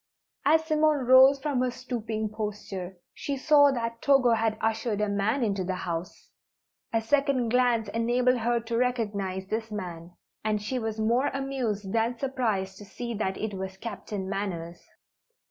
As Simone rose from her stooping posture, she saw that Togo had ushered a man into the house. A second glance enabled her to recognize this man, and she was more amused than surprised to see that it was Captain Manners.